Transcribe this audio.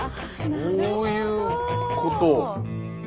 そういうこと。